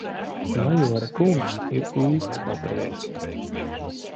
Majora kungs ir īsts patriots.